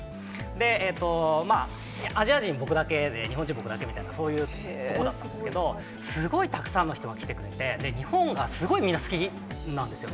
で、アジア人、僕だけで、日本人、僕だけみたいな、そういうとこだったんですけど、すごいたくさんの人が来てくれて、日本がすごいみんな好きなんですよ。